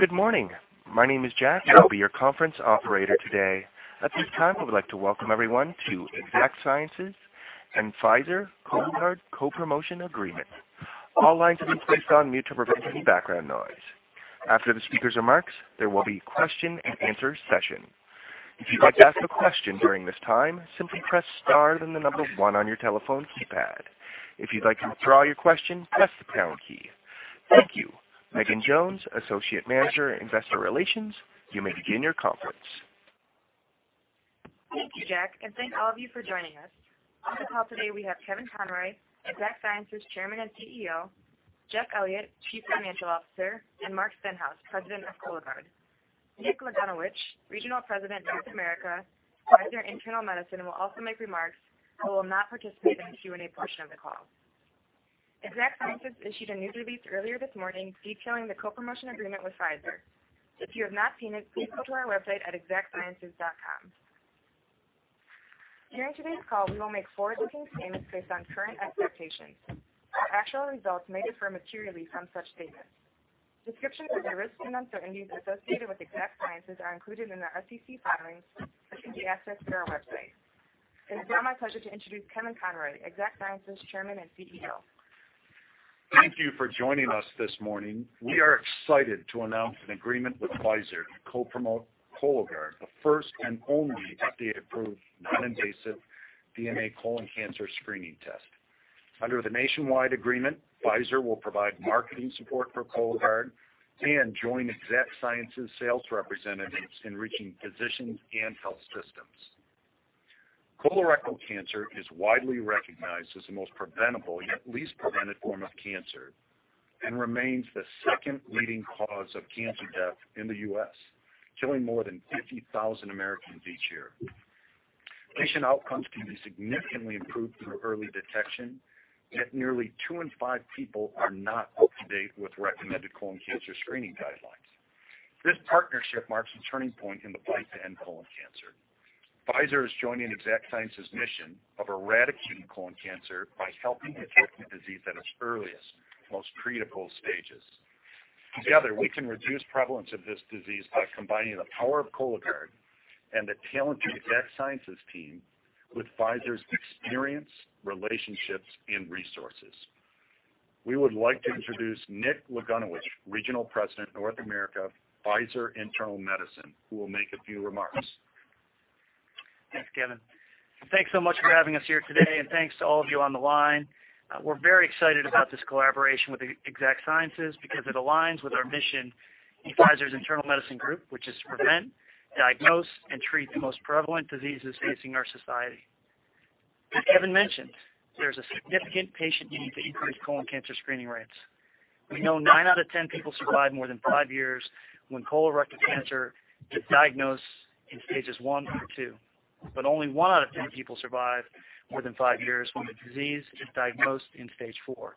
Good morning. My name is Jack. Hello. I'll be your conference operator today. At this time, we would like to welcome everyone to Exact Sciences and Pfizer Cologuard co-promotion agreement. All lines have been placed on mute to prevent any background noise. After the speaker's remarks, there will be a question and answer session. If you'd like to ask a question during this time, simply press star then the number 1 on your telephone keypad. If you'd like to withdraw your question, press the pound key. Thank you. Megan Jones, Associate Manager, Investor Relations, you may begin your conference. Thank you, Jack, and thanks all of you for joining us. On the call today we have Kevin Conroy, Exact Sciences Chairman and CEO, Jeff Elliott, Chief Financial Officer, and Mark Stenhouse, President of Cologuard. Nick Lagunowich, Regional President, North America, Pfizer Internal Medicine, will also make remarks, but will not participate in the Q&A portion of the call. Exact Sciences issued a news release earlier this morning detailing the co-promotion agreement with Pfizer. If you have not seen it, please go to our website at exactsciences.com. During today's call, we will make forward-looking statements based on current expectations. Actual results may differ materially from such statements. Descriptions of the risks and uncertainties associated with Exact Sciences are included in their SEC filings, which can be accessed through our website. It is now my pleasure to introduce Kevin Conroy, Exact Sciences Chairman and CEO. Thank you for joining us this morning. We are excited to announce an agreement with Pfizer to co-promote Cologuard, the first and only FDA-approved, non-invasive DNA colon cancer screening test. Under the nationwide agreement, Pfizer will provide marketing support for Cologuard and join Exact Sciences sales representatives in reaching physicians and health systems. Colorectal cancer is widely recognized as the most preventable, yet least prevented form of cancer, and remains the second leading cause of cancer death in the U.S., killing more than 50,000 Americans each year. Patient outcomes can be significantly improved through early detection, yet nearly two in five people are not up to date with recommended colon cancer screening guidelines. This partnership marks a turning point in the fight to end colon cancer. Pfizer is joining Exact Sciences mission of eradicating colon cancer by helping detect the disease at its earliest, most critical stages. Together, we can reduce prevalence of this disease by combining the power of Cologuard and the talent of the Exact Sciences team with Pfizer's experience, relationships, and resources. We would like to introduce Nick Lagunowich, Regional President, North America, Pfizer Internal Medicine, who will make a few remarks. Thanks, Kevin. Thanks so much for having us here today, and thanks to all of you on the line. We're very excited about this collaboration with Exact Sciences because it aligns with our mission in Pfizer's Internal Medicine Group, which is to prevent, diagnose, and treat the most prevalent diseases facing our society. As Kevin mentioned, there's a significant patient need to increase colon cancer screening rates. We know nine out of 10 people survive more than five years when colorectal cancer is diagnosed in stages 1 through 2, but only one out of 10 people survive more than five years when the disease is diagnosed in stage 4.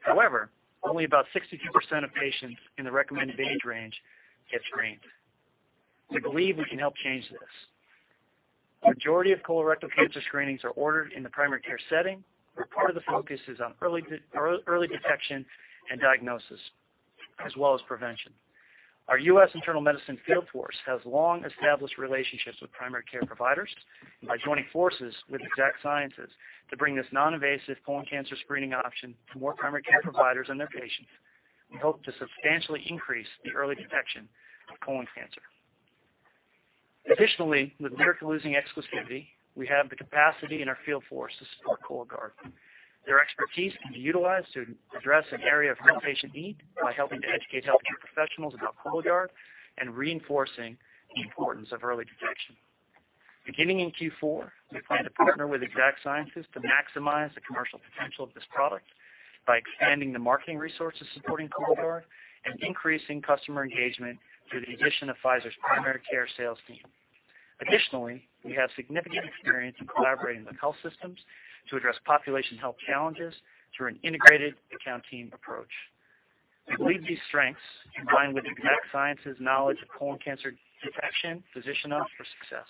However, only about 62% of patients in the recommended age range get screened. We believe we can help change this. Majority of colorectal cancer screenings are ordered in the primary care setting, where part of the focus is on early detection and diagnosis, as well as prevention. Our U.S. internal medicine field force has long-established relationships with primary care providers. By joining forces with Exact Sciences to bring this non-invasive colon cancer screening option to more primary care providers and their patients, we hope to substantially increase the early detection of colon cancer. Additionally, with LYRICA losing exclusivity, we have the capacity in our field force to support Cologuard. Their expertise can be utilized to address an area of patient need by helping to educate healthcare professionals about Cologuard and reinforcing the importance of early detection. Beginning in Q4, we plan to partner with Exact Sciences to maximize the commercial potential of this product by expanding the marketing resources supporting Cologuard and increasing customer engagement through the addition of Pfizer's primary care sales team. Additionally, we have significant experience in collaborating with health systems to address population health challenges through an integrated account team approach. We believe these strengths, combined with Exact Sciences' knowledge of colon cancer detection, position us for success,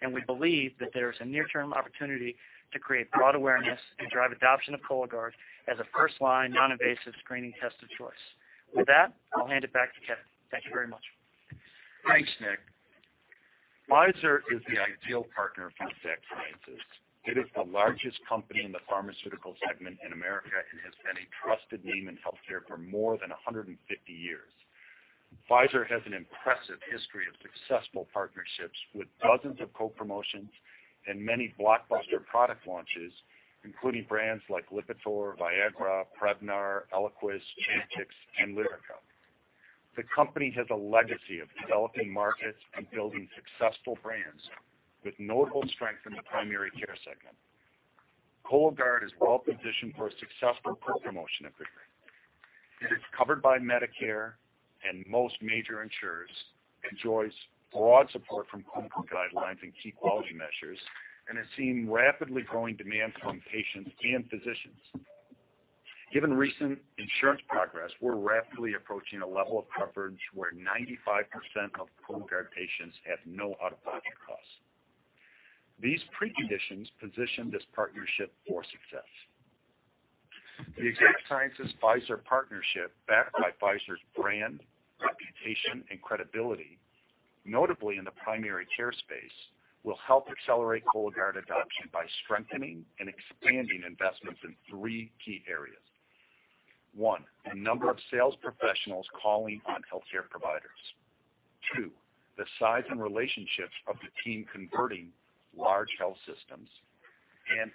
and we believe that there is a near-term opportunity to create broad awareness and drive adoption of Cologuard as a first-line, non-invasive screening test of choice. With that, I'll hand it back to Kevin. Thank you very much. Thanks, Nick. Pfizer is the ideal partner for Exact Sciences. It is the largest company in the pharmaceutical segment in America and has been a trusted name in healthcare for more than 150 years. Pfizer has an impressive history of successful partnerships with dozens of co-promotions and many blockbuster product launches, including brands like Lipitor, Viagra, Prevnar, Eliquis, Janumet, and Lyrica. The company has a legacy of developing markets and building successful brands with notable strength in the primary care segment. Cologuard is well positioned for a successful co-promotion agreement. It is covered by Medicare and most major insurers, enjoys broad support from clinical guidelines and key quality measures, and has seen rapidly growing demand from patients and physicians. Given recent insurance progress, we're rapidly approaching a level of coverage where 95% of Cologuard patients have no out-of-pocket costs. These preconditions position this partnership for success. The Exact Sciences Pfizer partnership, backed by Pfizer's brand, reputation, and credibility, notably in the primary care space, will help accelerate Cologuard adoption by strengthening and expanding investments in three key areas. One, the number of sales professionals calling on healthcare providers. Two, the size and relationships of the team converting large health systems.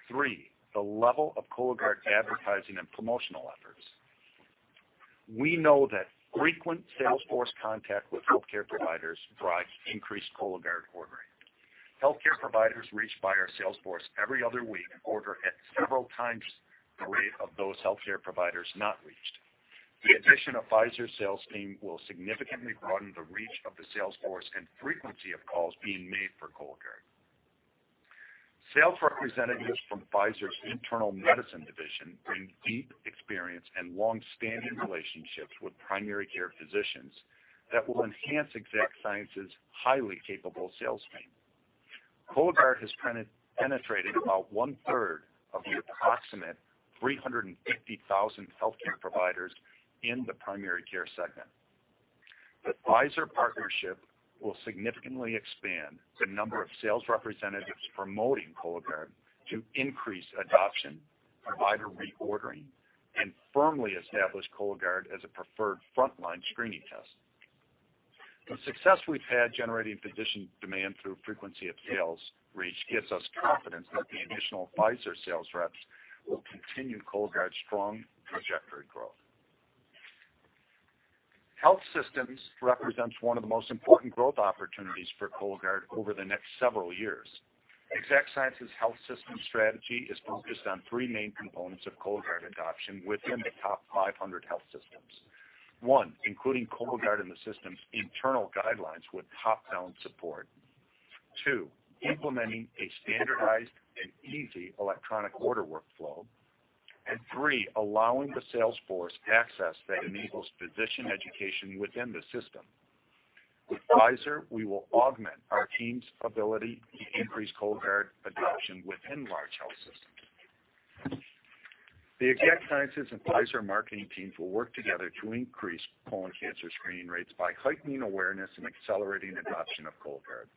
Three, the level of Cologuard advertising and promotional efforts. We know that frequent sales force contact with healthcare providers drives increased Cologuard ordering. Healthcare providers reached by our sales force every other week order at several times the rate of those healthcare providers not reached. The addition of Pfizer's sales team will significantly broaden the reach of the sales force and frequency of calls being made for Cologuard. Sales representatives from Pfizer's Internal Medicine division bring deep experience and long-standing relationships with primary care physicians that will enhance Exact Sciences' highly capable sales team. Cologuard has penetrated about one-third of the approximate 350,000 healthcare providers in the primary care segment. The Pfizer partnership will significantly expand the number of sales representatives promoting Cologuard to increase adoption, provider reordering, and firmly establish Cologuard as a preferred frontline screening test. The success we've had generating physician demand through frequency of sales reach gives us confidence that the additional Pfizer sales reps will continue Cologuard's strong trajectory growth. Health systems represents one of the most important growth opportunities for Cologuard over the next several years. Exact Sciences' health system strategy is focused on three main components of Cologuard adoption within the top 500 health systems. One, including Cologuard in the system's internal guidelines with top-down support. Two, implementing a standardized and easy electronic order workflow. Three, allowing the sales force access that enables physician education within the system. With Pfizer, we will augment our team's ability to increase Cologuard adoption within large health systems. The Exact Sciences and Pfizer marketing teams will work together to increase colon cancer screening rates by heightening awareness and accelerating adoption of Cologuard.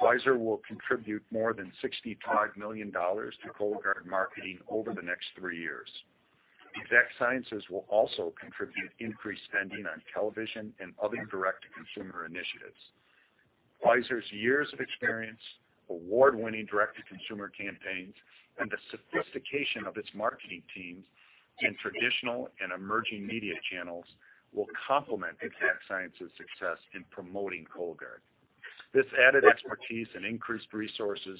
Pfizer will contribute more than $65 million to Cologuard marketing over the next three years. Exact Sciences will also contribute increased spending on television and other direct-to-consumer initiatives. Pfizer's years of experience, award-winning direct-to-consumer campaigns, and the sophistication of its marketing teams in traditional and emerging media channels will complement Exact Sciences' success in promoting Cologuard. This added expertise and increased resources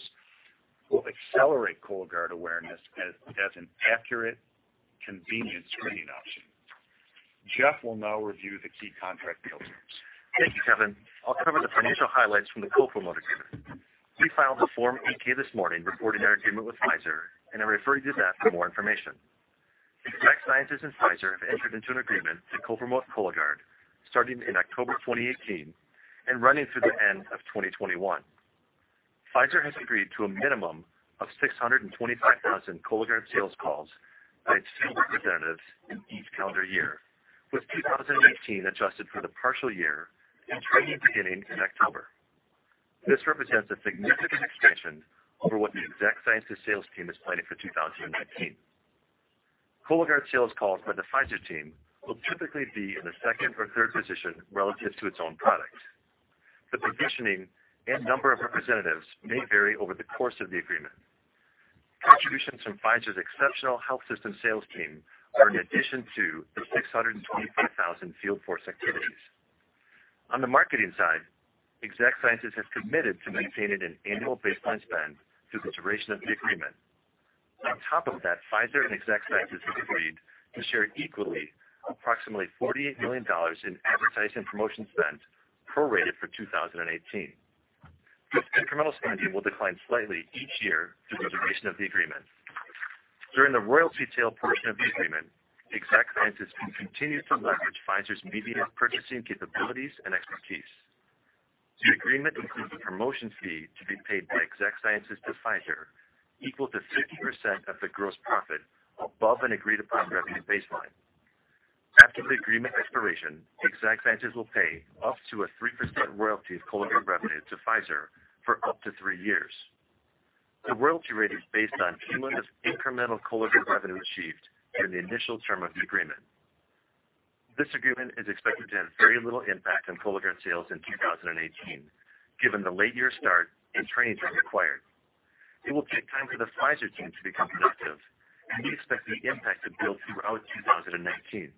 will accelerate Cologuard awareness as an accurate, convenient screening option. Jeff will now review the key contract details. Thank you, Kevin. I'll cover the financial highlights from the co-promote agreement. We filed a Form 8-K this morning reporting our agreement with Pfizer, and I refer you to that for more information. Exact Sciences and Pfizer have entered into an agreement to co-promote Cologuard starting in October 2018 and running through the end of 2021. Pfizer has agreed to a minimum of 625,000 Cologuard sales calls by its field representatives in each calendar year, with 2018 adjusted for the partial year and training beginning in October. This represents a significant expansion over what the Exact Sciences sales team is planning for 2019. Cologuard sales calls by the Pfizer team will typically be in the second or third position relative to its own product. The positioning and number of representatives may vary over the course of the agreement. Contributions from Pfizer's exceptional health system sales team are in addition to the 625,000 field force activities. On the marketing side, Exact Sciences has committed to maintaining an annual baseline spend through the duration of the agreement. On top of that, Pfizer and Exact Sciences have agreed to share equally approximately $48 million in advertising promotion spend, prorated for 2018. This incremental spending will decline slightly each year through the duration of the agreement. During the royalty sale portion of the agreement, Exact Sciences can continue to leverage Pfizer's media purchasing capabilities and expertise. The agreement includes a promotion fee to be paid by Exact Sciences to Pfizer equal to 50% of the gross profit above an agreed-upon revenue baseline. After the agreement expiration, Exact Sciences will pay up to a 3% royalty of Cologuard revenue to Pfizer for up to three years. The royalty rate is based on cumulative incremental Cologuard revenue achieved during the initial term of the agreement. This agreement is expected to have very little impact on Cologuard sales in 2018, given the late year start and training time required. It will take time for the Pfizer team to become productive, and we expect the impact to build throughout 2019.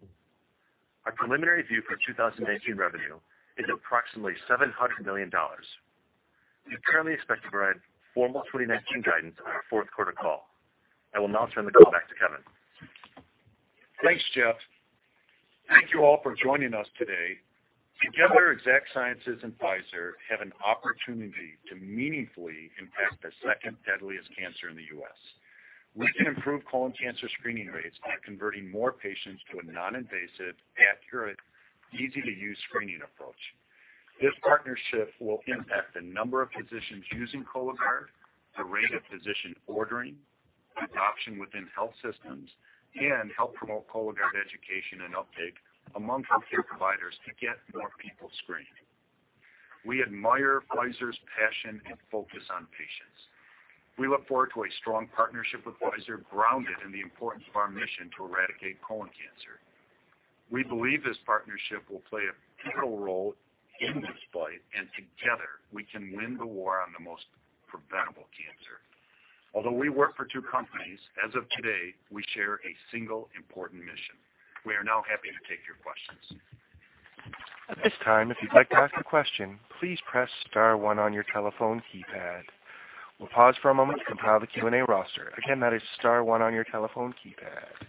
Our preliminary view for 2019 revenue is approximately $700 million. We currently expect to provide formal 2019 guidance on our fourth quarter call. I will now turn the call back to Kevin. Thanks, Jeff. Thank you all for joining us today. Together, Exact Sciences and Pfizer have an opportunity to meaningfully impact the second deadliest cancer in the U.S. We can improve colon cancer screening rates by converting more patients to a non-invasive, accurate, easy-to-use screening approach. This partnership will impact the number of physicians using Cologuard, the rate of physician ordering, adoption within health systems, and help promote Cologuard education and uptake among healthcare providers to get more people screened. We admire Pfizer's passion and focus on patients. We look forward to a strong partnership with Pfizer, grounded in the importance of our mission to eradicate colon cancer. We believe this partnership will play a pivotal role in this fight, and together we can win the war on the most preventable cancer. Although we work for two companies, as of today, we share a single important mission. We are now happy to take your questions. At this time, if you'd like to ask a question, please press star one on your telephone keypad. We'll pause for a moment to compile the Q&A roster. Again, that is star one on your telephone keypad.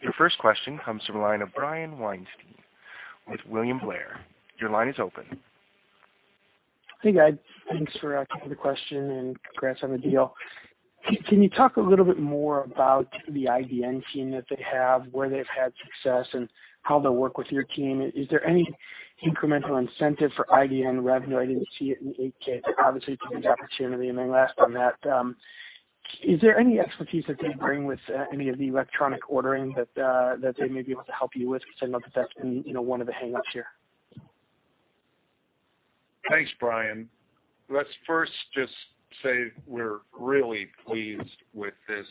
Your first question comes from the line of Brian Weinstein with William Blair. Your line is open. Hey, guys. Thanks for taking the question. Congrats on the deal. Can you talk a little bit more about the IDN team that they have, where they've had success, and how they'll work with your team? Is there any incremental incentive for IDN revenue? I didn't see it in the 8-K, but obviously it's an opportunity. Then last on that, is there any expertise that they bring with any of the electronic ordering that they may be able to help you with? Because I know that that's been one of the hang-ups here. Thanks, Brian. Let's first just say we're really pleased with this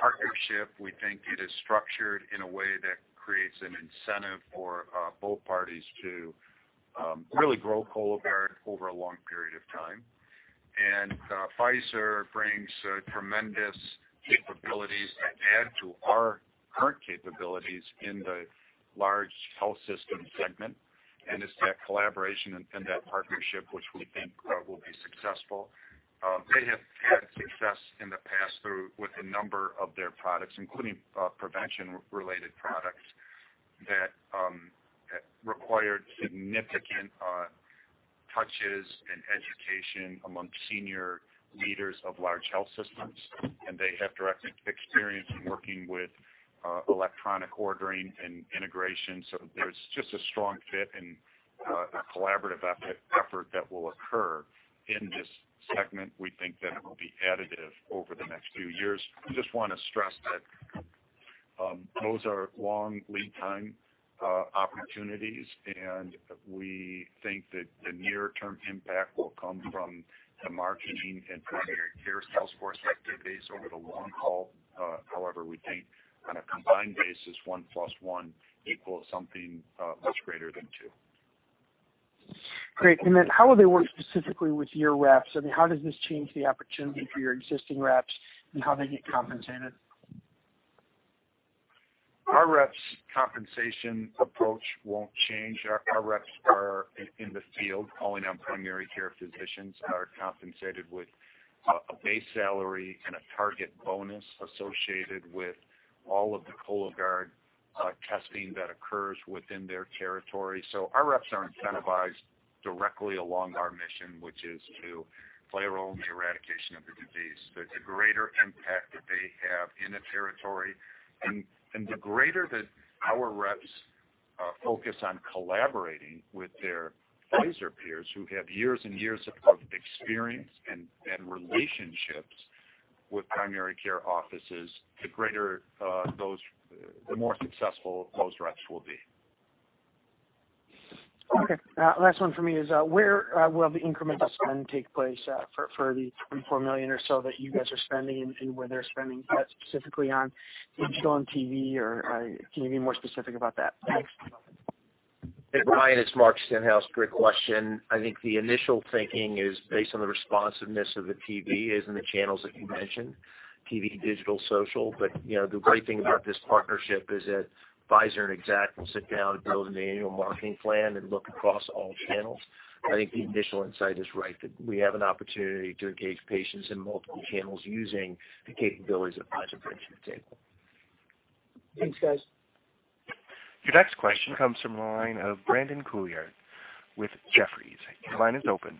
partnership. We think it is structured in a way that creates an incentive for both parties to really grow Cologuard over a long period of time. Pfizer brings tremendous capabilities that add to our current capabilities in the large health system segment, and it's that collaboration and that partnership which we think will be successful. They have had success in the past with a number of their products, including prevention-related products that required significant touches and education among senior leaders of large health systems. They have direct experience in working with electronic ordering and integration. There's just a strong fit and a collaborative effort that will occur in this segment. We think that it will be additive over the next few years. I just want to stress that those are long lead time opportunities. We think that the near-term impact will come from the marketing and primary care sales force activities over the long haul. However, we think on a combined basis, one plus one equals something much greater than two. Great. Then how will they work specifically with your reps? I mean, how does this change the opportunity for your existing reps and how they get compensated? Our reps' compensation approach won't change. Our reps are in the field calling on primary care physicians, are compensated with a base salary and a target bonus associated with all of the Cologuard testing that occurs within their territory. Our reps are incentivized directly along our mission, which is to play a role in the eradication of the disease. The greater impact that they have in a territory and the greater that our reps focus on collaborating with their Pfizer peers, who have years and years of experience and relationships with primary care offices, the more successful those reps will be. Okay. Last one for me is where will the incremental spend take place for the $24 million or so that you guys are spending and where they're spending that specifically on? Is it on TV? Can you be more specific about that? Hey, Brian, it's Mark Stenhouse. Great question. I think the initial thinking is based on the responsiveness of the TV is in the channels that you mentioned, TV, digital, social. The great thing about this partnership is that Pfizer and Exact will sit down and build an annual marketing plan and look across all channels. I think the initial insight is right, that we have an opportunity to engage patients in multiple channels using the capabilities that Pfizer brings to the table. Thanks, guys. Your next question comes from the line of Brandon Couillard with Jefferies. Your line is open.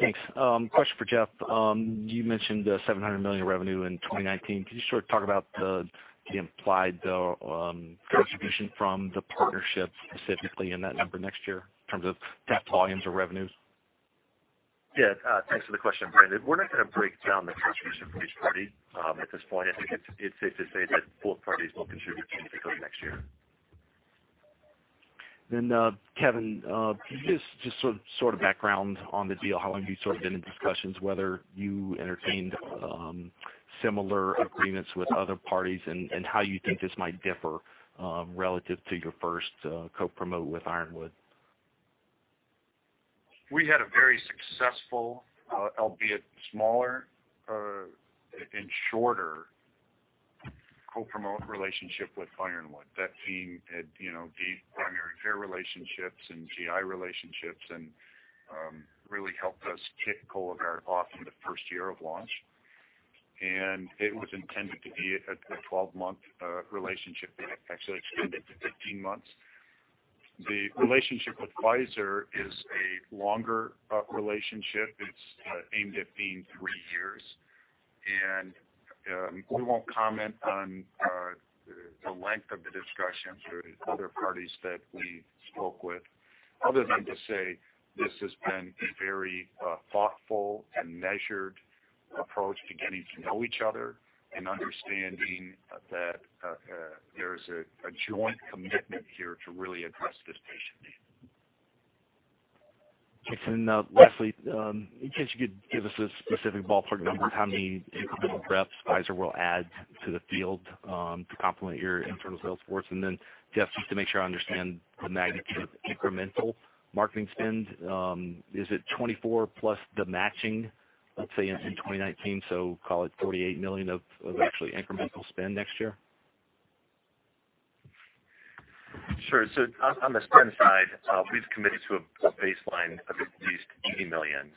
Thanks. Question for Jeff. You mentioned the $700 million revenue in 2019. Can you sort of talk about the implied distribution from the partnership specifically in that number next year in terms of volumes or revenues? Thanks for the question, Brandon. We're not going to break down the contribution from each party at this point. I think it's safe to say that both parties will contribute significantly next year. Kevin, can you give us just sort of background on the deal, how long have you sort of been in discussions, whether you entertained similar agreements with other parties, and how you think this might differ relative to your first co-promote with Ironwood? We had a very successful, albeit smaller and shorter co-promote relationship with Ironwood. That team had deep primary care relationships and GI relationships and really helped us kick Cologuard off in the first year of launch. It was intended to be a 12-month relationship that actually extended to 15 months. The relationship with Pfizer is a longer relationship. It's aimed at being three years. We won't comment on the length of the discussions or the other parties that we spoke with, other than to say this has been a very thoughtful and measured approach to getting to know each other and understanding that there is a joint commitment here to really address this patient need. Jason, lastly, I guess you could give us a specific ballpark number how many incremental reps Pfizer will add to the field to complement your internal sales force? Then Jeff, just to make sure I understand the magnitude of incremental marketing spend, is it 24 plus the matching, let's say, in 2019, so call it $48 million of actually incremental spend next year? Sure. On the spend side, we've committed to a baseline of at least $80 million.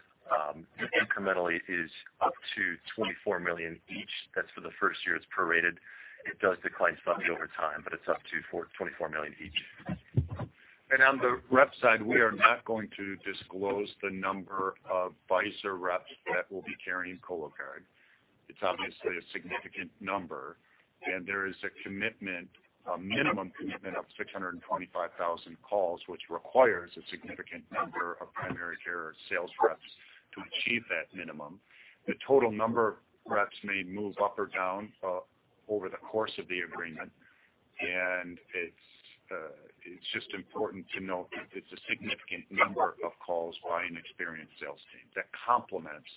Incrementally is up to $24 million each. That's for the first year. It's prorated. It does decline slightly over time, but it's up to $24 million each. On the rep side, we are not going to disclose the number of Pfizer reps that will be carrying Cologuard. It's obviously a significant number. There is a minimum commitment of 625,000 calls, which requires a significant number of primary care sales reps to achieve that minimum. The total number of reps may move up or down over the course of the agreement. It's just important to note that it's a significant number of calls by an experienced sales team that complements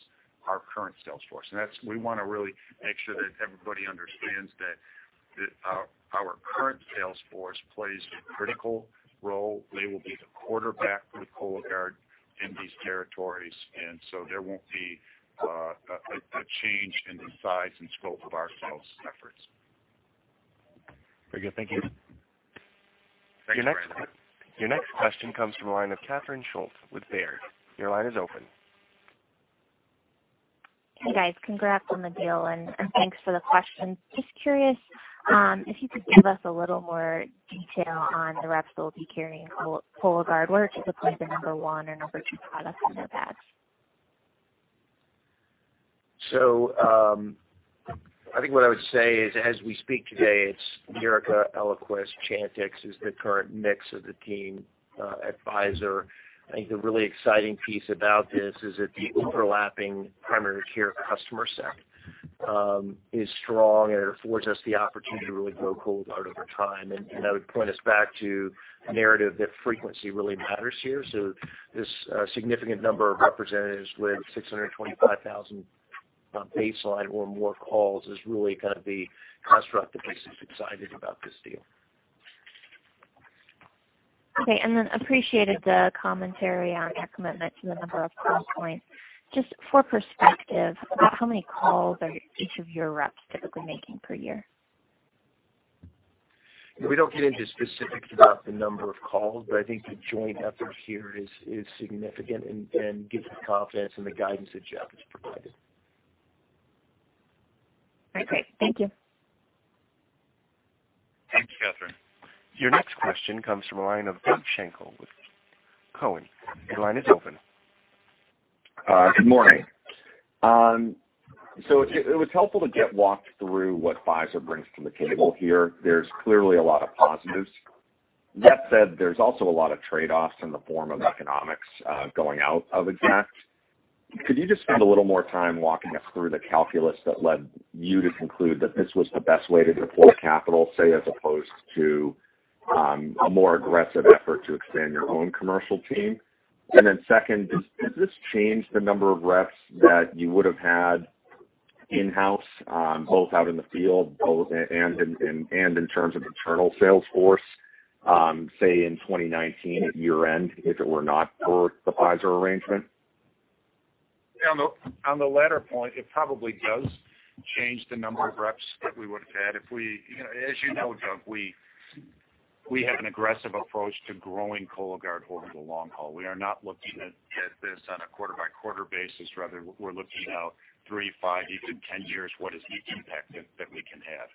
our current sales force. We want to really make sure that everybody understands that our current sales force plays a critical role. They will be the quarterback for the Cologuard in these territories. There won't be a change in the size and scope of our sales efforts. Very good. Thank you. Thanks very much. Your next question comes from the line of Catherine Schulte with Baird. Your line is open. Curious if you could give us a little more detail on the reps that will be carrying Cologuard. Where it's deployed the number 1 or number 2 product in their bags? I think what I would say is, as we speak today, it's Nirogacestat, ELIQUIS, CHANTIX is the current mix of the team at Pfizer. I think the really exciting piece about this is that the overlapping primary care customer set is strong and it affords us the opportunity to really grow Cologuard over time. That would point us back to a narrative that frequency really matters here. This significant number of representatives with 625,000 baseline or more calls is really kind of the construct that makes us excited about this deal. Okay, appreciated the commentary on your commitment to the number of call points. Just for perspective, about how many calls are each of your reps typically making per year? We don't get into specifics about the number of calls, but I think the joint effort here is significant and gives us confidence in the guidance that Jeff has provided. All right, great. Thank you. Thanks, Catherine. Your next question comes from the line of Doug Schenkel with Cowen. Your line is open. It was helpful to get walked through what Pfizer brings to the table here. There's clearly a lot of positives. That said, there's also a lot of trade-offs in the form of economics going out of Exact Sciences. Could you just spend a little more time walking us through the calculus that led you to conclude that this was the best way to deploy capital, say, as opposed to a more aggressive effort to expand your own commercial team? Second, does this change the number of reps that you would have had in-house both out in the field and in terms of internal sales force, say in 2019 at year-end if it were not for the Pfizer arrangement? On the latter point, it probably does change the number of reps that we would have had. As you know, Doug, we have an aggressive approach to growing Cologuard over the long haul. We are not looking at this on a quarter-by-quarter basis. Rather, we're looking out three, five, even 10 years, what is the impact that we can have?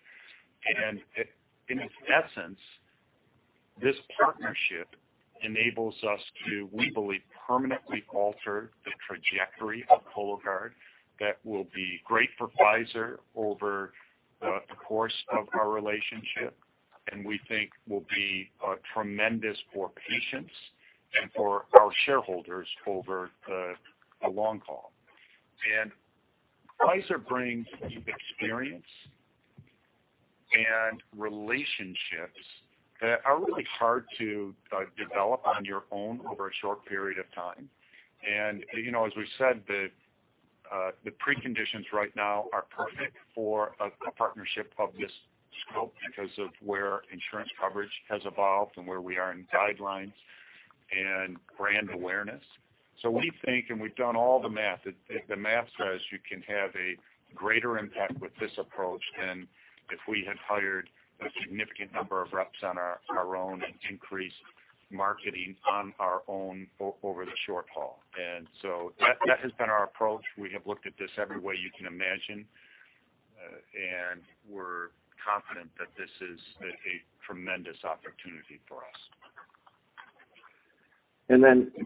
In essence, this partnership enables us to, we believe, permanently alter the trajectory of Cologuard that will be great for Pfizer over the course of our relationship, and we think will be tremendous for patients and for our shareholders over the long haul. Pfizer brings deep experience and relationships that are really hard to develop on your own over a short period of time. As we said, the preconditions right now are perfect for a partnership of this scope because of where insurance coverage has evolved and where we are in guidelines and brand awareness. We think, and we've done all the math, that the math says you can have a greater impact with this approach than if we had hired a significant number of reps on our own and increased marketing on our own over the short haul. That has been our approach. We have looked at this every way you can imagine. We're confident that this is a tremendous opportunity for us.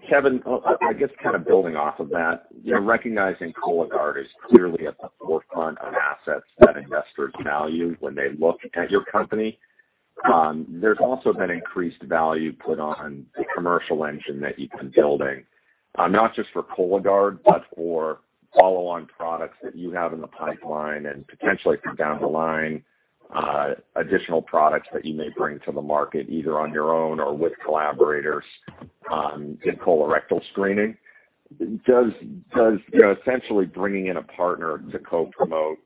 Kevin, I guess building off of that, recognizing Cologuard is clearly at the forefront of assets that investors value when they look at your company. There's also been increased value put on the commercial engine that you've been building, not just for Cologuard, but for follow-on products that you have in the pipeline and potentially for down the line, additional products that you may bring to the market, either on your own or with collaborators in colorectal screening. Does essentially bringing in a partner to co-promote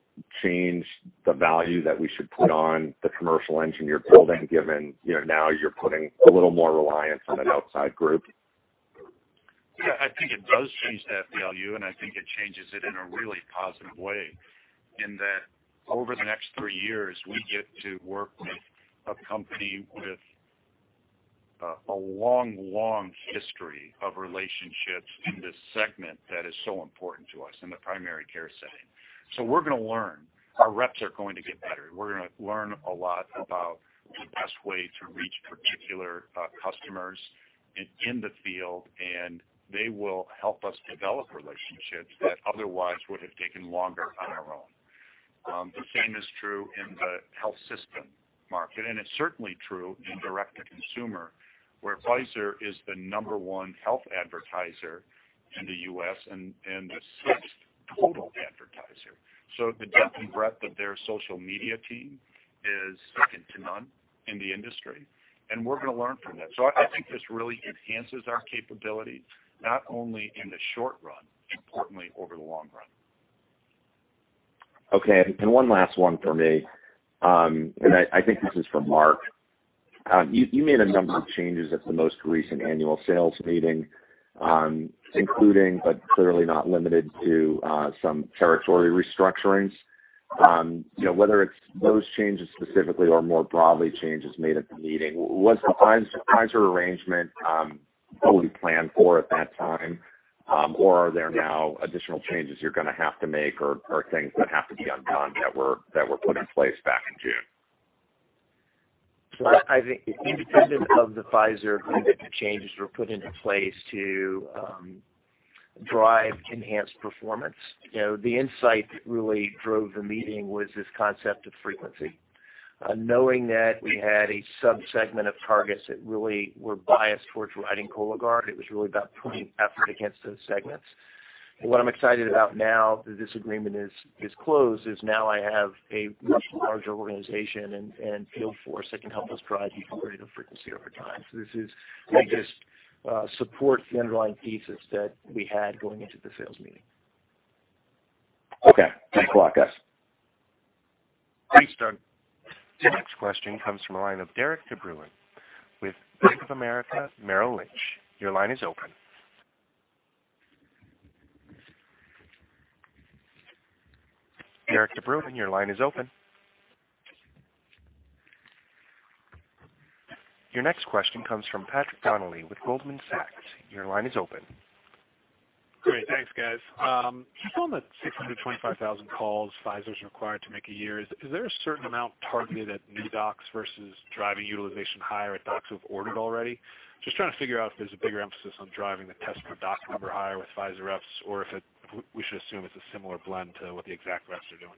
change the value that we should put on the commercial engine you're building, given now you're putting a little more reliance on an outside group? I think it does change that value, and I think it changes it in a really positive way, in that over the next 3 years, we get to work with a company with a long history of relationships in this segment that is so important to us in the primary care setting. We're going to learn. Our reps are going to get better. We're going to learn a lot about the best way to reach particular customers in the field, and they will help us develop relationships that otherwise would have taken longer on our own. The same is true in the health system market, and it's certainly true in direct-to-consumer, where Pfizer is the number 1 health advertiser in the U.S. and the sixth total advertiser. The depth and breadth of their social media team is second to none in the industry, and we're going to learn from that. I think this really enhances our capability, not only in the short run, importantly over the long run. Okay. One last one from me, and I think this is for Mark. You made a number of changes at the most recent annual sales meeting, including, but clearly not limited to, some territory restructurings. Whether it's those changes specifically or more broadly, changes made at the meeting, was the Pfizer arrangement fully planned for at that time? Are there now additional changes you're going to have to make or things that have to be undone that were put in place back in June? I think independent of the Pfizer agreement, the changes were put into place to drive enhanced performance. The insight that really drove the meeting was this concept of frequency. Knowing that we had a sub-segment of targets that really were biased towards writing Cologuard, it was really about putting effort against those segments. What I'm excited about now that this agreement is closed, is now I have a much larger organization and field force that can help us drive incremental frequency over time. This is, I guess, supports the underlying thesis that we had going into the sales meeting. Okay. Thanks a lot, guys. Thanks, Doug. Your next question comes from the line of Derik de Bruin with Bank of America, Merrill Lynch. Your line is open. Derik de Bruin, your line is open. Your next question comes from Patrick Donnelly with Goldman Sachs. Your line is open. Great. Thanks, guys. You call them at 625,000 calls Pfizer's required to make a year. Is there a certain amount targeted at new docs versus driving utilization higher at docs who've ordered already? Just trying to figure out if there's a bigger emphasis on driving the test per doc number higher with Pfizer reps, or if we should assume it's a similar blend to what the Exact reps are doing.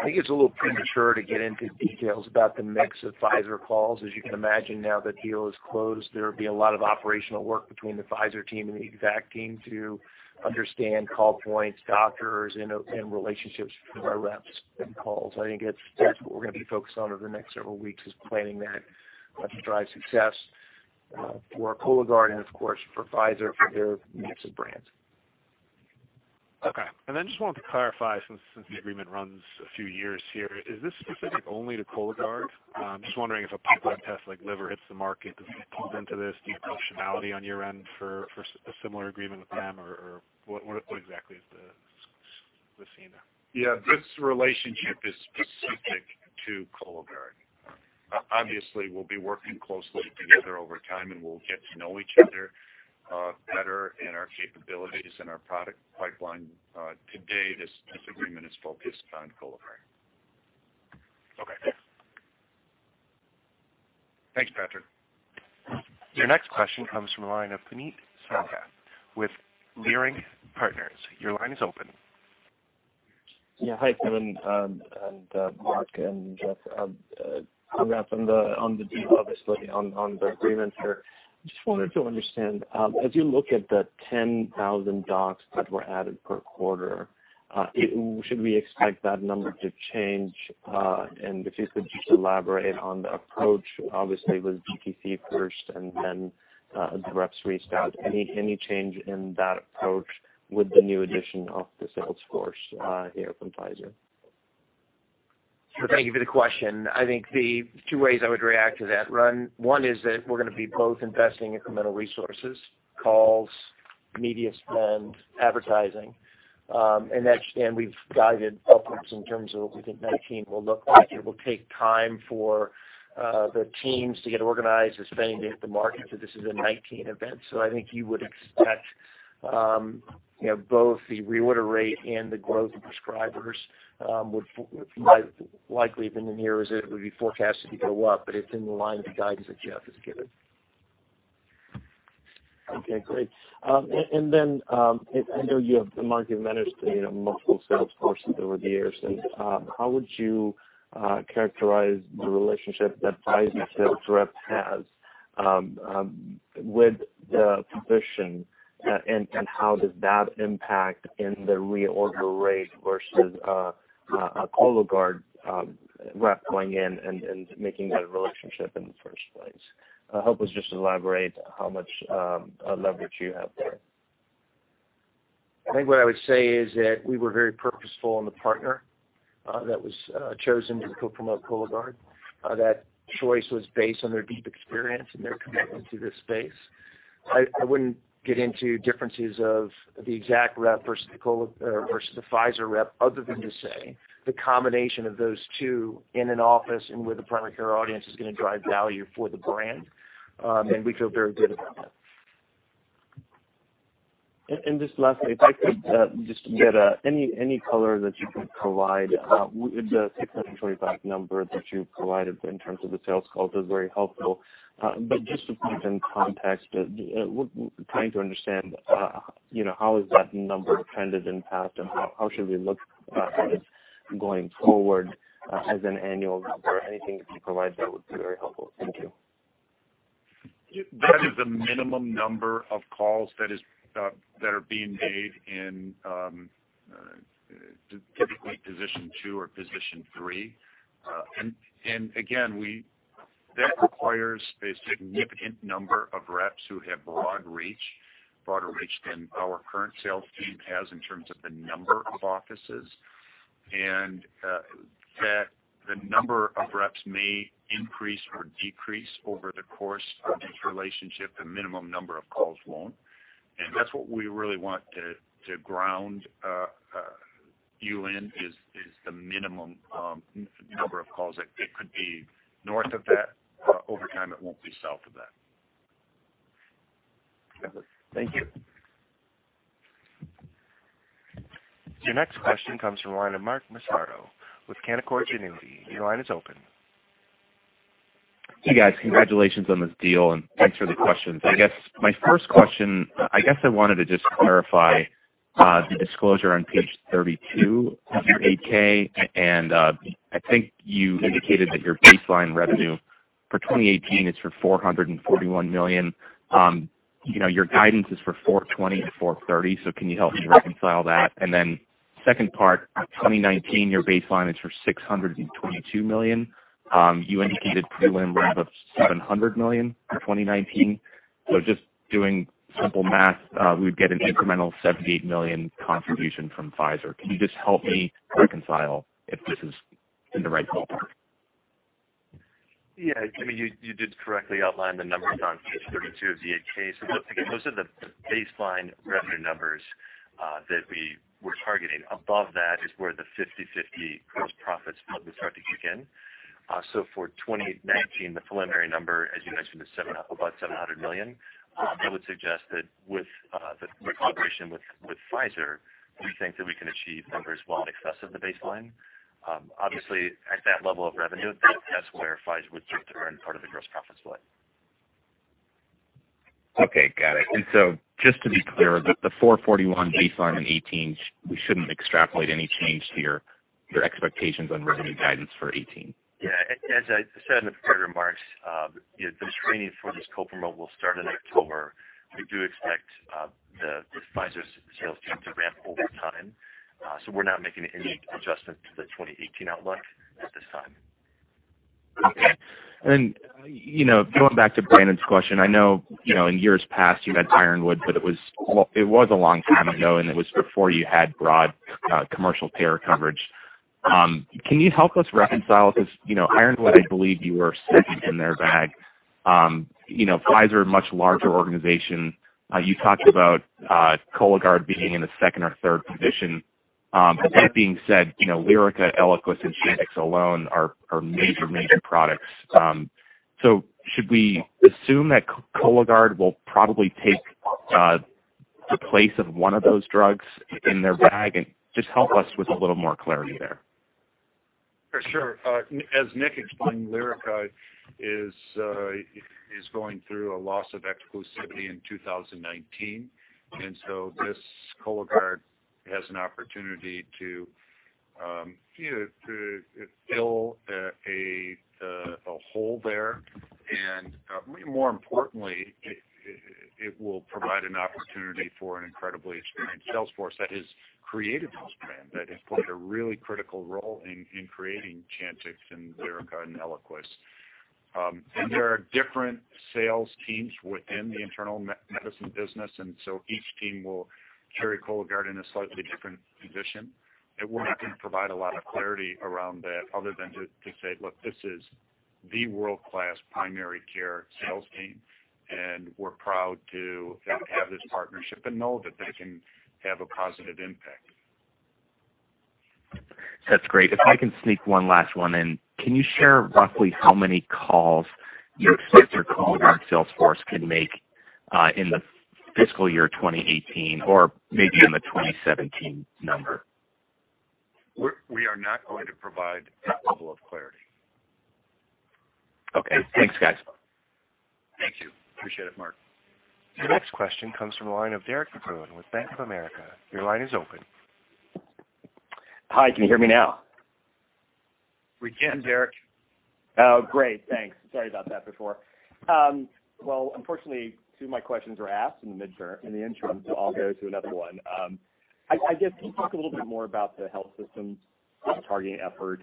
I think it's a little premature to get into details about the mix of Pfizer calls. You can imagine now the deal is closed, there'll be a lot of operational work between the Pfizer team and the Exact team to understand call points, doctors, and relationships with our reps and calls. I think that's what we're going to be focused on over the next several weeks, is planning that to drive success for Cologuard and of course for Pfizer for their mix of brands. Then just wanted to clarify, since the agreement runs a few years here, is this specific only to Cologuard? I'm just wondering if a pipeline test like Oncoguard Liver hits the market, does it fall into this functionality on your end for a similar agreement with them or what exactly is the scene there? This relationship is specific to Cologuard. Obviously, we'll be working closely together over time, and we'll get to know each other better and our capabilities and our product pipeline. Today, this agreement is focused on Cologuard. Okay. Thanks, Patrick. Your next question comes from the line of Puneet Souda with Leerink Partners. Your line is open. Yeah. Hi, Kevin and Mark and Jeff. A wrap on the deal, obviously on the agreement here. Just wanted to understand, as you look at the 10,000 docs that were added per quarter, should we expect that number to change? If you could just elaborate on the approach, obviously it was DTC first and then the reps reached out. Any change in that approach with the new addition of the sales force here from Pfizer? Thank you for the question. I think the two ways I would react to that, one is that we're going to be both investing incremental resources, calls, media spend, advertising. We've guided upwards in terms of what we think 2019 will look like. It will take time for the teams to get organized and spend to hit the market, so this is a 2019 event. I think you would expect Both the reorder rate and the growth of prescribers would likely, within the year, as it would be forecasted to go up. It's in the line of guidance that Jeff has given. Okay, great. I know you have, the market managed multiple sales forces over the years. How would you characterize the relationship that Pfizer sales rep has with the physician? How does that impact in the reorder rate versus a Cologuard rep going in and making that relationship in the first place? Help us just elaborate how much leverage you have there. I think what I would say is that we were very purposeful in the partner that was chosen to co-promote Cologuard. That choice was based on their deep experience and their commitment to this space. I wouldn't get into differences of the Exact rep versus the Pfizer rep, other than to say the combination of those two in an office and with the primary care audience is going to drive value for the brand. We feel very good about that. Just lastly, if I could just get any color that you could provide. The 625 number that you provided in terms of the sales call was very helpful. Just to put it in context, trying to understand how has that number trended in the past, and how should we look at it going forward, as an annual number? Anything that you can provide there would be very helpful. Thank you. That is the minimum number of calls that are being made in, typically position 2 or position 3. Again, that requires a significant number of reps who have broad reach, broader reach than our current sales team has in terms of the number of offices. The number of reps may increase or decrease over the course of this relationship. The minimum number of calls won't. That's what we really want to ground you in, is the minimum number of calls. It could be north of that, over time, it won't be south of that. Thank you. Your next question comes from the line of Mark Massaro with Canaccord Genuity. Your line is open. Hey, guys. Congratulations on this deal, and thanks for the questions. My first question, I wanted to just clarify, the disclosure on page 32 of your 8-K. I think you indicated that your baseline revenue for 2018 is for $441 million. Your guidance is for $420 million-$430 million. Can you help me reconcile that? Second part, 2019, your baseline is for $622 million. You indicated prelim revenue of $700 million for 2019. Just doing simple math, we would get an incremental $78 million contribution from Pfizer. Can you just help me reconcile if this is in the right ballpark? I mean, you did correctly outline the numbers on page 32 of the 8-K. Those are the baseline revenue numbers that we were targeting. Above that is where the 50/50 gross profits split would start to kick in. For 2019, the preliminary number, as you mentioned, is about $700 million. I would suggest that with the collaboration with Pfizer, we think that we can achieve numbers well in excess of the baseline. Obviously, at that level of revenue, that's where Pfizer would start to earn part of the gross profits split. Okay, got it. Just to be clear, the $441 million baseline in 2018, we shouldn't extrapolate any change to your expectations on revenue guidance for 2018. Yeah. As I said in the prepared remarks, the training for this co-promote will start in October. We do expect Pfizer's sales team to ramp over time. We're not making any adjustment to the 2018 outlook at this time. Okay. Going back to Brandon Couillard's question, I know in years past you had Ironwood, but it was a long time ago, and it was before you had broad commercial payer coverage. Can you help us reconcile? Ironwood, I believe you were second in their bag. Pfizer, a much larger organization. You talked about Cologuard being in the second or third position. That being said, LYRICA, ELIQUIS, and CHANTIX alone are major products. Should we assume that Cologuard will probably take the place of one of those drugs in their bag? Just help us with a little more clarity there. For sure. As Nick Lagunowich explained, LYRICA is going through a loss of exclusivity in 2019, and so this Cologuard has an opportunity to fill a hole there. More importantly, it will provide an opportunity for an incredibly experienced sales force that has created those brands, that have played a really critical role in creating CHANTIX and LYRICA and ELIQUIS. There are different sales teams within the Internal Medicine business, and so each team will carry Cologuard in a slightly different position. We're not going to provide a lot of clarity around that other than to say, look, this is the world-class primary care sales team, and we're proud to have this partnership and know that they can have a positive impact. That's great. If I can sneak one last one in. Can you share roughly how many calls your Cologuard sales force can make in the fiscal year 2018 or maybe even the 2017 number? We are not going to provide that level of clarity. Okay. Thanks, guys. Thank you. Appreciate it, Mark. The next question comes from the line of Derik de Bruin with Bank of America. Your line is open. Hi, can you hear me now? We can, Derik. Oh, great. Thanks. Sorry about that before. Well, unfortunately, two of my questions were asked in the interim, so I'll go to another one. I guess, can you talk a little bit more about the health systems targeting effort?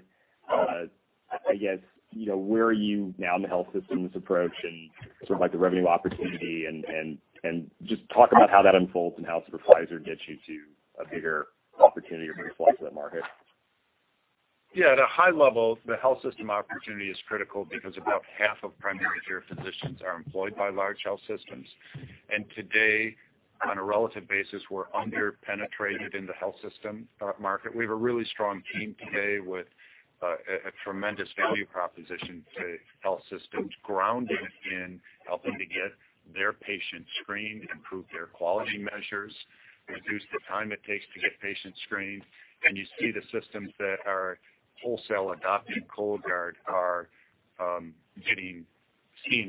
I guess, where are you now in the health systems approach and sort of the revenue opportunity and just talk about how that unfolds and how Pfizer gets you to a bigger opportunity or response to that market. Yeah. At a high level, the health system opportunity is critical because about half of primary care physicians are employed by large health systems. Today, on a relative basis, we're under-penetrated in the health system market. We have a really strong team today with a tremendous value proposition to health systems, grounded in helping to get their patients screened, improve their quality measures, reduce the time it takes to get patients screened. You see the systems that are wholesale adopting Cologuard are seeing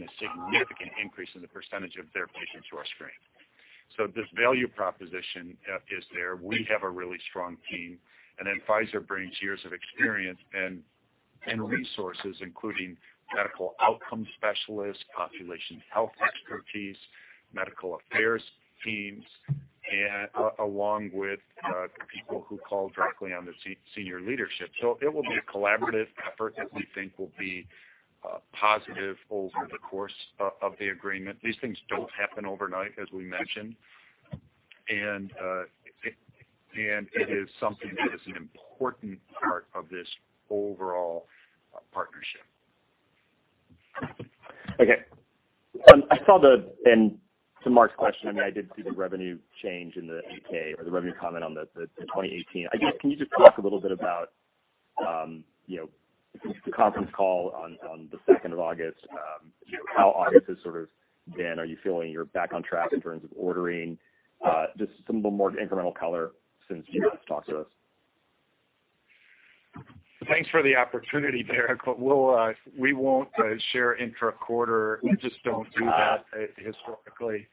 a significant increase in the percentage of their patients who are screened. This value proposition is there. We have a really strong team, and then Pfizer brings years of experience and resources, including medical outcome specialists, population health expertise, medical affairs teams, along with people who call directly on the senior leadership. It will be a collaborative effort that we think will be positive over the course of the agreement. These things don't happen overnight, as we mentioned. It is something that is an important part of this overall partnership. To Mark's question, I did see the revenue change in the 8-K or the revenue comment on the 2018. I guess, can you just talk a little bit about, since the conference call on the 2nd of August, how August has sort of been? Are you feeling you're back on track in terms of ordering? Just some more incremental color since you last talked to us. Thanks for the opportunity, Derik. We won't share intra-quarter. We just don't do that historically.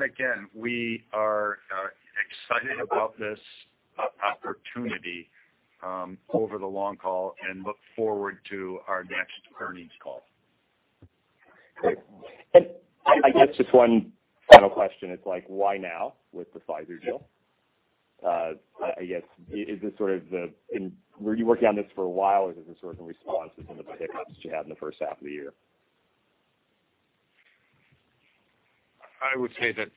Again, we are excited about this opportunity over the long call and look forward to our next earnings call. Great. I guess just one final question. It's like, why now with the Pfizer deal? I guess, were you working on this for a while or is this sort of in response to some of the hiccups you had in the first half of the year? I would say that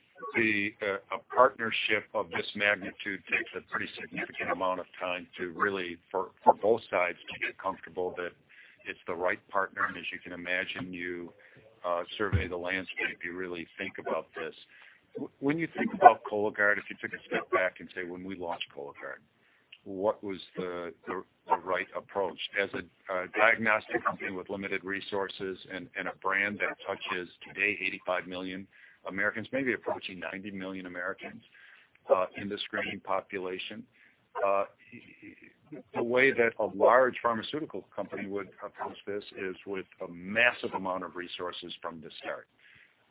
a partnership of this magnitude takes a pretty significant amount of time to really, for both sides to get comfortable that it's the right partner. As you can imagine, you survey the landscape, you really think about this. When you think about Cologuard, if you took a step back and say when we launched Cologuard, what was the right approach? As a diagnostic company with limited resources and a brand that touches today 85 million Americans, maybe approaching 90 million Americans in the screening population. The way that a large pharmaceutical company would approach this is with a massive amount of resources from the start.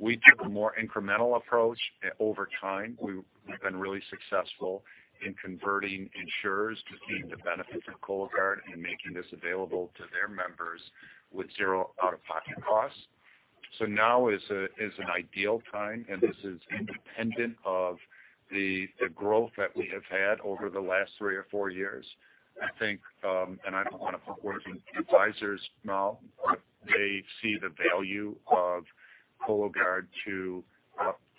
We took a more incremental approach over time. We've been really successful in converting insurers to seeing the benefit of Cologuard and making this available to their members with zero out-of-pocket costs. Now is an ideal time, this is independent of the growth that we have had over the last three or four years. I think, I don't want to put words in Pfizer's mouth, they see the value of Cologuard to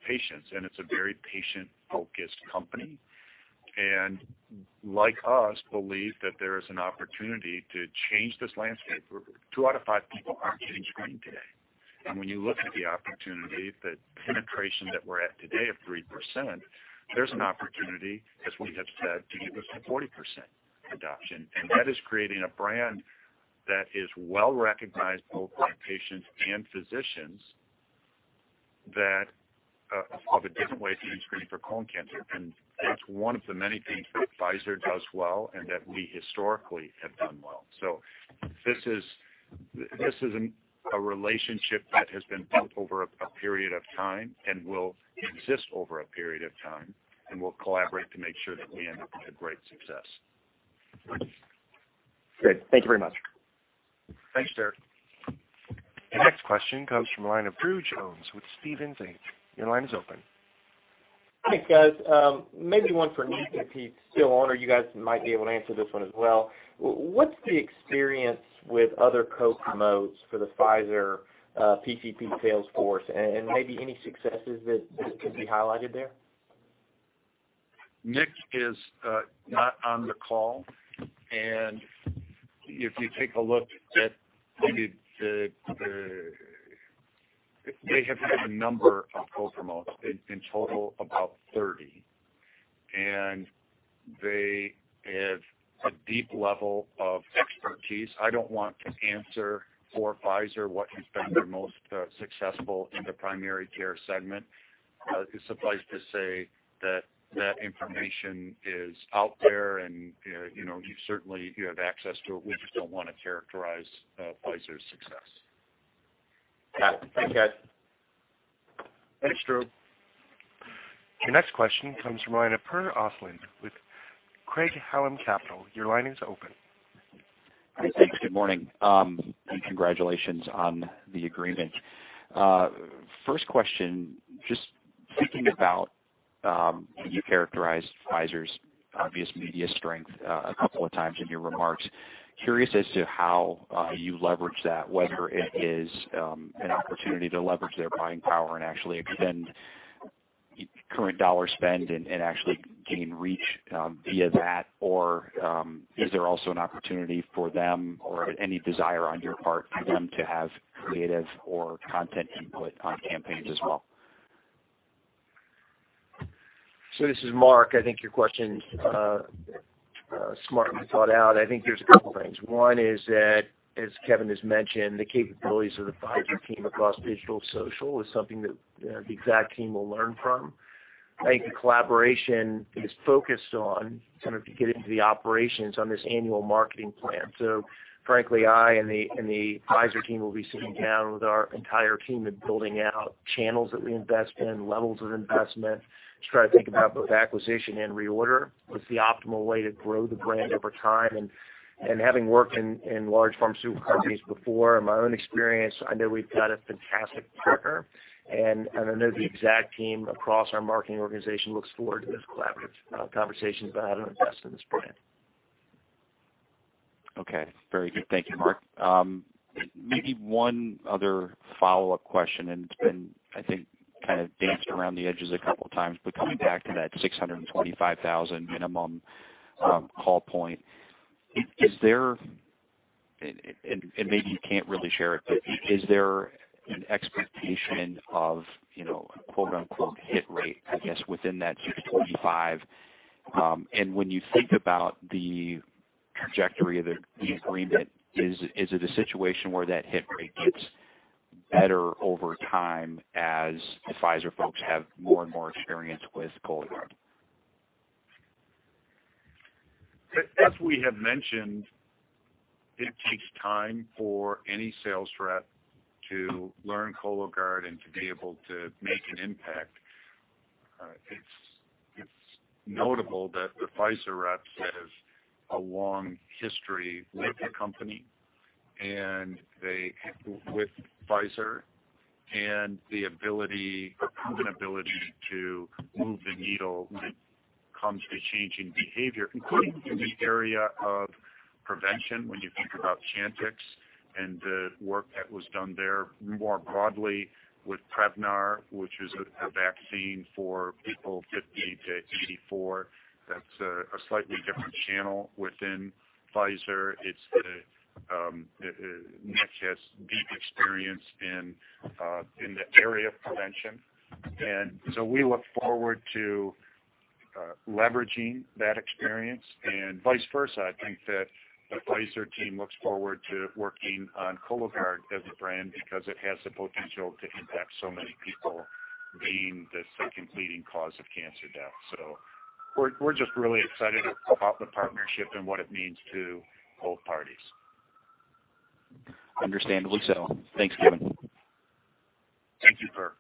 patients, it's a very patient-focused company. Like us, believe that there is an opportunity to change this landscape. Two out of five people aren't getting screened today. When you look at the opportunity, the penetration that we're at today of 3%, there's an opportunity, as we have said, to get this to 40% adoption. That is creating a brand that is well-recognized both by patients and physicians, that of a different way to get screened for colon cancer. That's one of the many things that Pfizer does well and that we historically have done well. This is a relationship that has been built over a period of time and will exist over a period of time, we'll collaborate to make sure that we end up with a great success. Great. Thank you very much. Thanks, Derik. The next question comes from the line of Drew Jones with Stephens Inc. Your line is open. Hi guys, maybe one for Nick if he's still on, or you guys might be able to answer this one as well. What's the experience with other co-promos for the Pfizer PCP sales force? Maybe any successes that could be highlighted there? Nick is not on the call. If you take a look at the They have had a number of co-promos, in total, about 30, and they have a deep level of expertise. I don't want to answer for Pfizer what has been their most successful in the primary care segment. Suffice to say that that information is out there and you certainly have access to it. We just don't want to characterize Pfizer's success. Yeah. Thanks, guys. Thanks, Drew. Your next question comes from Alexander Nowak with Craig-Hallum Capital. Your line is open. Thanks. Good morning and congratulations on the agreement. First question, just thinking about, you characterized Pfizer's obvious media strength a couple of times in your remarks. Curious as to how you leverage that, whether it is an opportunity to leverage their buying power and actually extend current $ spend and actually gain reach via that. Is there also an opportunity for them or any desire on your part for them to have creative or content input on campaigns as well? This is Mark. I think your question is smartly thought out. I think there's a couple things. One is that, as Kevin Conroy has mentioned, the capabilities of the Pfizer team across digital and social is something that the Exact team will learn from. I think the collaboration is focused on, sort of to get into the operations on this annual marketing plan. Frankly, I and the Pfizer team will be sitting down with our entire team and building out channels that we invest in, levels of investment, to try to think about both acquisition and reorder. What's the optimal way to grow the brand over time? Having worked in large pharmaceutical companies before, in my own experience, I know we've got a fantastic partner, and I know the Exact team across our marketing organization looks forward to those collaborative conversations about how to invest in this brand. Okay. Very good. Thank you, Mark. Maybe one other follow-up question, it's been, I think, kind of danced around the edges a couple of times, but coming back to that 625,000 minimum call point. Maybe you can't really share it, but is there an expectation of a quote-unquote hit rate, I guess, within that 625? When you think about the trajectory of the agreement, is it a situation where that hit rate gets better over time as the Pfizer folks have more and more experience with Cologuard? As we have mentioned, it takes time for any sales rep to learn Cologuard and to be able to make an impact. It's notable that the Pfizer rep has a long history with Pfizer and a proven ability to move the needle when it comes to changing behavior, including in the area of prevention. When you think about CHANTIX and the work that was done there more broadly with Prevnar, which is a vaccine for people 50 to 84. That's a slightly different channel within Pfizer. Nick has deep experience in the area of prevention, we look forward to leveraging that experience. Vice versa, I think that the Pfizer team looks forward to working on Cologuard as a brand because it has the potential to impact so many people being the second leading cause of cancer death. We're just really excited about the partnership and what it means to both parties. Understandably so. Thanks, Kevin. Thank you, sir.